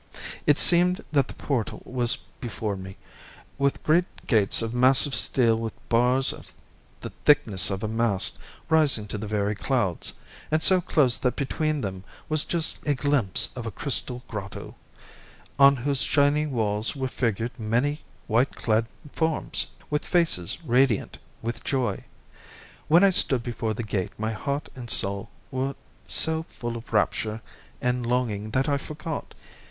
It seemed that the portal was before me, with great gates of massive steel with bars of the thickness of a mast, rising to the very clouds, and so close that between them was just a glimpse of a crystal grotto, on whose shining walls were figured many white clad forms with faces radiant with joy. When I stood before the gate my heart and my soul were so full of rapture and longing that I forgot.